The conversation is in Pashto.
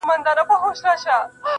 زما د زړه په هغه شين اسمان كي~